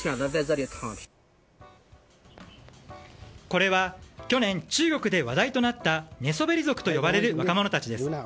これは、去年中国で話題となった寝そべり族と呼ばれる若者たちです。